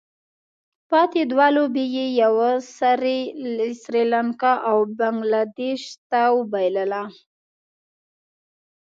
پاتې دوه لوبې یې یوه سري لانکا او بله بنګله دېش ته وبايلله.